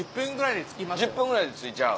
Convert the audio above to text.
１０分ぐらいで着いちゃう。